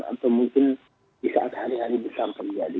atau mungkin di saat hari hari besar terjadi